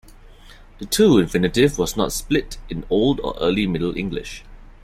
The "to" infinitive was not split in Old or Early Middle English.